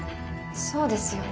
そうですよね。